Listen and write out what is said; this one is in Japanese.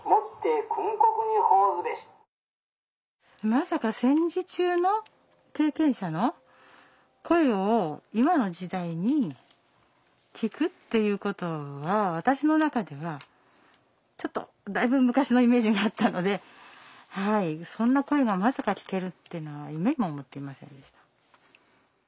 まさか戦時中の経験者の声を今の時代に聞くっていうことは私の中ではちょっとだいぶ昔のイメージがあったのではいそんな声がまさか聞けるっていうのは夢にも思っていませんでした。